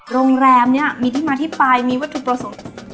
โรงแรมนี้มีที่มาที่ไปมีวัตถุประสงค์